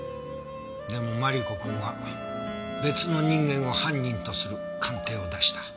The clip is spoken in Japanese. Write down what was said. でもマリコ君は別の人間を犯人とする鑑定を出した。